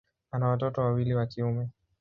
Ana watoto wawili wa kiume.